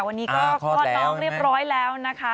วันนี้ก็คลอดน้องเรียบร้อยแล้วนะคะ